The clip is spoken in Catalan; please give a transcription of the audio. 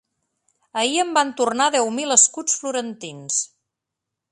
Ahir em van tornar deu mil escuts florentins.